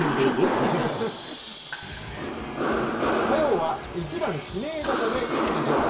火曜は、１番・指名打者で出場。